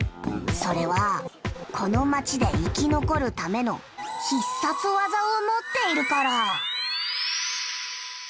それはこの街で生き残るための必殺技を持っているから。